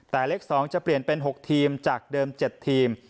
แต่เลข๒จะเปลี่ยนเป็น๖ทีมจากเดิม๗ทีม